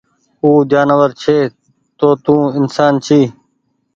او جآنور ڇي توُن تو انسآن ڇي